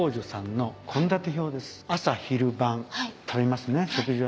朝昼晩食べますね食事は。